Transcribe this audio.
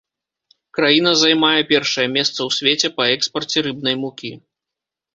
Краіна займае першае месца ў свеце па экспарце рыбнай мукі.